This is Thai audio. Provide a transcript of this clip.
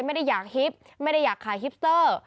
ไม่ได้อยากฮิปไม่ได้อยากขายฮิปเตอร์